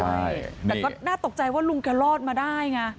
ใช่แต่ก็น่าตกใจว่าลุงแกรอดมาได้ไง